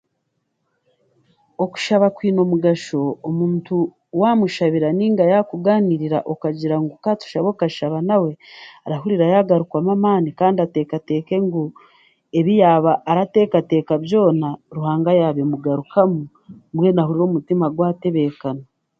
Okushaaba kwiine omugasho, omuntu w'amushabira ninga y'akuganiriira okagira ngu katushabe okashaba nawe arahuriira yagarukamu amaani kandi atekateeke ngu ebi yaba arateekateeka byona ruhanga y'abimugarukamu mbwenu ahuriire omutima gw'atebekana.